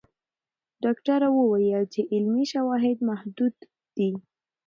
ډاکټره وویل چې علمي شواهد محدود دي.